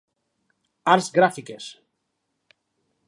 Arts Gràfiques.